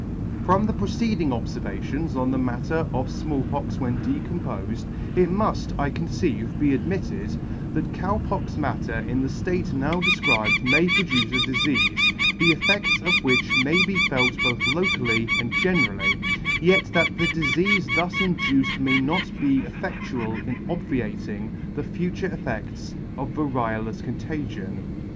N From C 90 ] From the preceding obfervations on the matter of Small Pox when decompofed, it muft, I conceive, be admitted, that Cow pox matter in the ftate now defcribed may produce a difeafe, the effedts of which may be felt both locally and generally, yet that the difeafe thus induced may not be effedtual in obviating the future effects of variolous contagion.